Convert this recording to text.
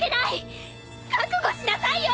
覚悟しなさいよ